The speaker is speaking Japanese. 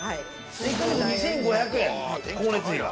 １か月２，５００円光熱費が。